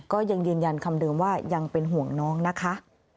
ก็ยังยืนยันคำเดิมว่ายังเป็นห่วงน้องนะคะ